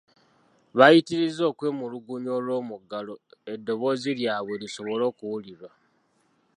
Baayitiriza okwemulugunya olw'omuggalo eddoboozi lyabwe lisobole okuwulirwa.